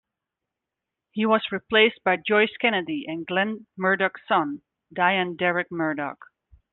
He was replaced by Joyce Kennedy and Glenn Murdock's son, Dion Derek Murdock.